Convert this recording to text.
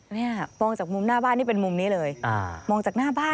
เนี่ยมองจากมุมหน้าบ้านนี่เป็นมุมนี้เลยอ่ามองจากหน้าบ้าน